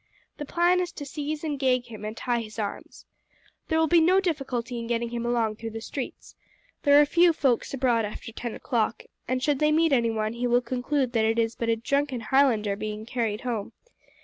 The plan is to seize and gag him and tie his arms. There will be no difficulty in getting him along through the streets. There are few folks abroad after ten o'clock, and should they meet anyone he will conclude that it is but a drunken Highlander being carried home.